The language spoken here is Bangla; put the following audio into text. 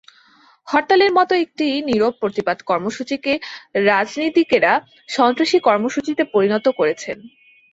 হরতালের মতো একটি নীরব প্রতিবাদ কর্মসূচিকে রাজনীতিকেরা সন্ত্রাসী কর্মসূচিতে পরিণত করেছেন।